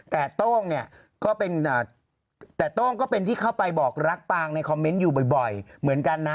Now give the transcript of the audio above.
แต่โต้งเนี่ยก็เป็นแต่โต้งก็เป็นที่เข้าไปบอกรักปางในคอมเมนต์อยู่บ่อยเหมือนกันนะ